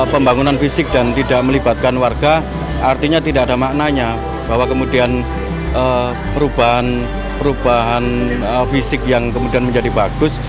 pembangunan fisik dan tidak melibatkan warga artinya tidak ada maknanya bahwa kemudian perubahan fisik yang kemudian menjadi bagus